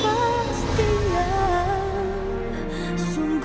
mas kemasin aku